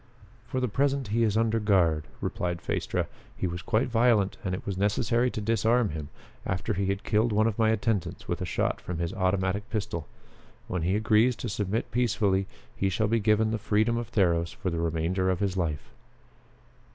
"For the present he is under guard," replied Phaestra. "He was quite violent and it was necessary to disarm him after he had killed one of my attendants with a shot from his automatic pistol. When he agrees to submit peacefully, he shall be given the freedom of Theros for the remainder of his life."